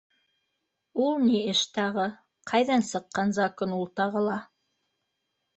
— Ул ни эш тағы, ҡайҙан сыҡҡан закон ул тағы ла...